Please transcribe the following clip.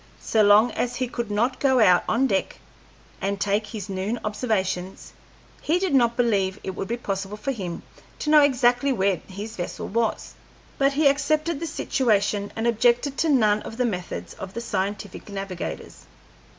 So long as he could not go out on deck and take his noon observations, he did not believe it would be possible for him to know exactly where his vessel was; but he accepted the situation, and objected to none of the methods of the scientific navigators.